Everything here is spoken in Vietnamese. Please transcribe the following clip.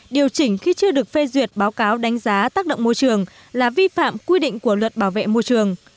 điều chỉnh khi chưa được phê duyệt báo cáo đánh giá tác động môi trường là vi phạm quy định của luật bảo vệ môi trường